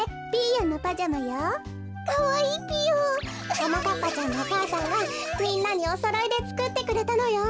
ももかっぱちゃんのお母さんがみんなにおそろいでつくってくれたのよ。